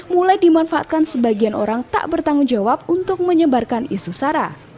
mulai dimanfaatkan sebagian orang tak bertanggung jawab untuk menyebarkan isu sara